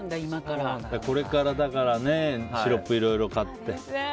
これからシロップいろいろ買って。